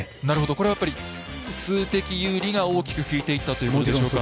これはやっぱり数的有利が大きく効いていったということでしょうか？